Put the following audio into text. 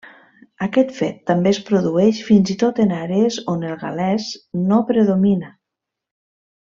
Aquest fet també es produeix fins i tot en àrees on el gal·lès no predomina.